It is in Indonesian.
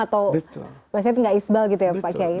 atau tidak isbal gitu ya pak kai